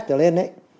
thì tôi vẽ lên đấy